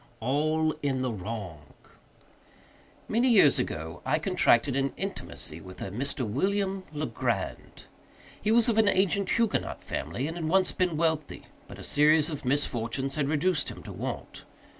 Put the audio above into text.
—All in the Wrong. Many years ago, I contracted an intimacy with a Mr. William Legrand. He was of an ancient Huguenot family, and had once been wealthy; but a series of misfortunes had reduced him to want.